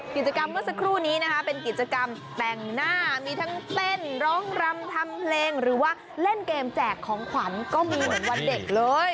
กิจกรรมเมื่อสักครู่นี้นะคะเป็นกิจกรรมแต่งหน้ามีทั้งเต้นร้องรำทำเพลงหรือว่าเล่นเกมแจกของขวัญก็มีเหมือนวันเด็กเลย